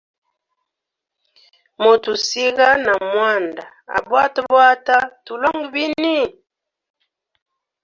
Motusiga na mwanda abwatabwata, tulongwe bini?